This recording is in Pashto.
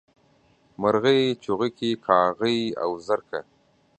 مرغۍ، چوغکي کاغۍ او زرکه